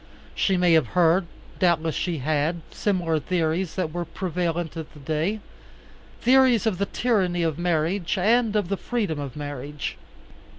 She may have heard, doubtless she had, similar theories that were prevalent at that day, theories of the tyranny of marriage and of the freedom of marriage.